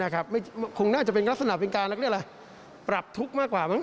คงน่าจะเป็นลักษณะเป็นการเรียกอะไรปรับทุกข์มากกว่ามั้